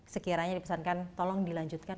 sekiranya dipesankan tolong dilanjutkan